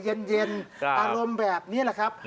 ใกล้เย็นอารมณ์แบบนี้นะครับ